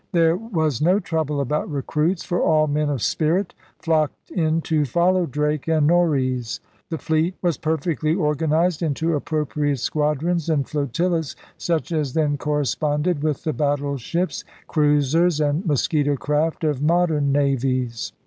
There was no trouble about recruits, for all men of spirit flocked in to follow Drake and Norreys. The fleet was perfectly organized into appropriate squadrons and flotillas, such as then corresponded with the battleships, cruisers, and mosquito craft of modern navies.